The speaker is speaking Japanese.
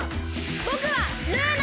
ぼくはルーナ！